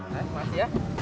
terima kasih ya